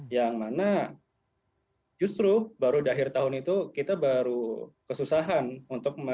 yang mana justru baru di akhir tahun itu kita baru kesusahan untuk mencari